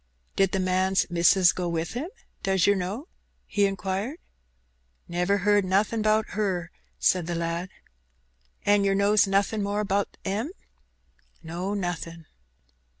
"Did the man's missis go wi' him, does yer know?" he inquired. "Never heerd nothing 'bout 'er," said the lad. "An' yer knows nothin' more 'bout 'em?" "No, nothin'."